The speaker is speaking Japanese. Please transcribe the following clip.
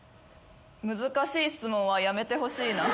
難しい質問はやめてほしいな。